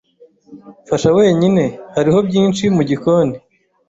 Fasha wenyine. Hariho byinshi mu gikoni.